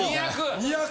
２００！